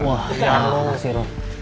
wah yang lo sih roy